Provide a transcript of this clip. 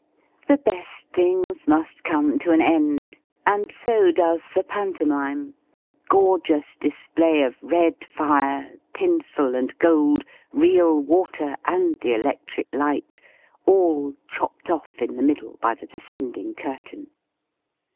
The best things must come to an end! and so does the Pantomime with a gorgeous display of red fire, tinsel and gold, real water and the electric light all chopped off in the middle by the descending curtain.